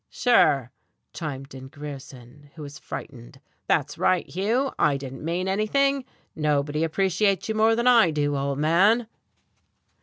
"Sure," chimed in Grierson, who was frightened, "that's right, Hugh. I didn't mean anything. Nobody appreciates you more than I do, old man."